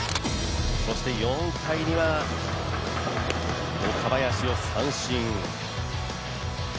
そして４回には、岡林を三振。